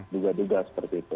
duga duga seperti itu